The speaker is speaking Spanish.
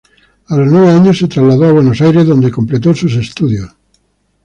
A los nueve años se trasladó a Buenos Aires, donde completó sus estudios.